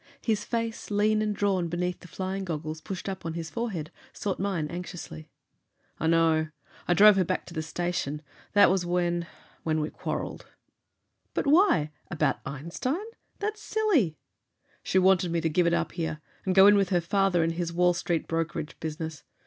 His face, lean and drawn beneath the flying goggles pushed up on his forehead, sought mine anxiously. "I know. I drove her back to the station. That was when when we quarreled." "But why? About Einstein? That's silly." "She wanted me to give it up here, and go in with her father in his Wall Street brokerage business.